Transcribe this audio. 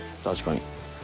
確かに。